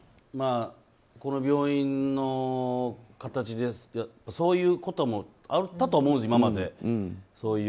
この病院の形ですとそういうこともあったと思うんです。